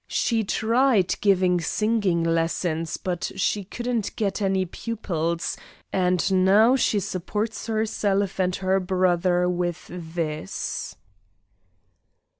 She tried giving singing lessons, but she couldn't get any pupils, and now she supports herself and her brother with this."